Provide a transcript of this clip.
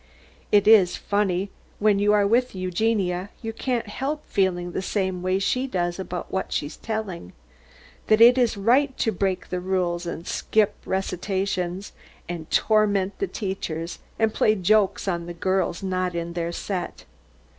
It is funny that when you are with Eugenia you can't help feeling the same way she does about what she's telling; that it is right to break the rules and skip recitations and torment the teachers and play jokes on the girls not in their set.